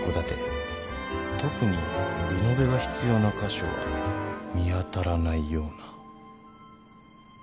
特にリノベが必要な箇所は見当たらないような。